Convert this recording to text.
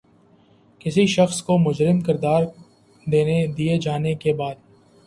کسی شخص کو مجرم قراد دیے جانے کے بعد